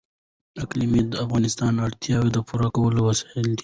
اقلیم د افغانانو د اړتیاوو د پوره کولو وسیله ده.